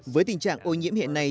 với tình trạng ô nhiễm hiện nay